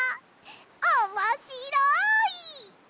おもしろい！